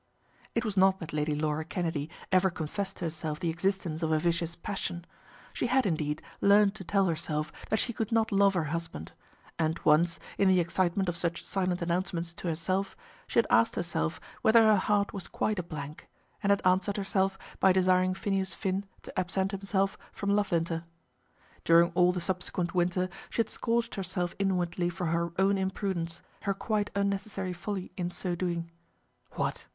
It was not that Lady Laura Kennedy ever confessed to herself the existence of a vicious passion. She had, indeed, learned to tell herself that she could not love her husband; and once, in the excitement of such silent announcements to herself, she had asked herself whether her heart was quite a blank, and had answered herself by desiring Phineas Finn to absent himself from Loughlinter. During all the subsequent winter she had scourged herself inwardly for her own imprudence, her quite unnecessary folly in so doing. What!